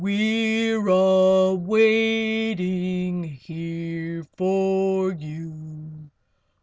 We're all waiting here for you.